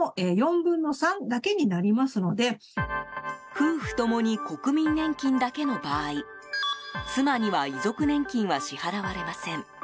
夫婦共に国民年金だけの場合妻には遺族年金は支払われません。